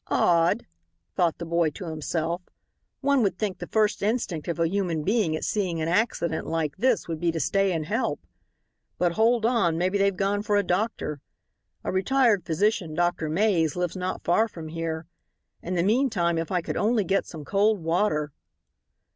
"Odd," thought the boy to himself; "one would think the first instinct of a human being at seeing an accident like this would be to stay and help. But, hold on, maybe they've gone for a doctor. A retired physician, Dr. Mays, lives not far from here. In the meantime if I could only get some cold water."